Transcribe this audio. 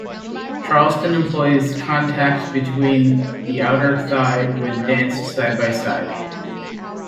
Charleston employs contact between the outer thighs when danced side-by-side.